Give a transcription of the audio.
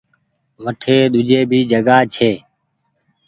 وٺي ۮوجي ڀي جگآ ئي ڇي۔